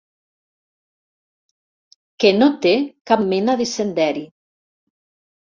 Que no té cap mena de senderi.